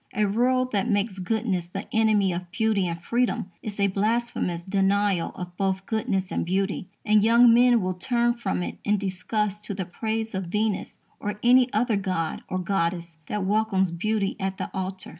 A world that makes goodness the enemy of beauty and freedom is a blasphemous denial of both goodness and beauty, and young men will turn from it in disgust to the praise of Venus or any other god or goddess that welcomes beauty at the altar.